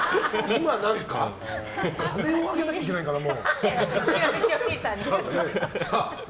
家電をあげなきゃいけないかな。